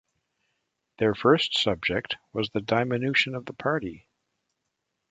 Their first subject was the diminution of the party.